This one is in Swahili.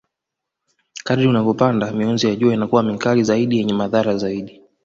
Kadri unavyopanda mionzi ya jua inakuwa mikali zaidi yenye madhara zaidi